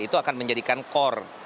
itu akan menjadikan core